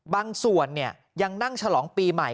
บางส่วนยังนั่งฉลองปีใหม่